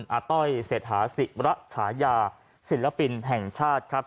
อาต้อยเศรษฐาศิระฉายาศิลปินแห่งชาติครับ